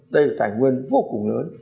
đây là thành nguyên vô cùng lớn